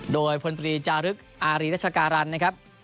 โดยพลตรีจารึกอารีรัชการันนะครับ